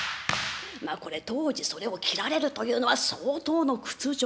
まあこれ当時それを切られるというのは相当の屈辱なんです。